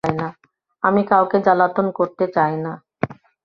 আমি কাউকে জ্বালাতন করতে চাই না।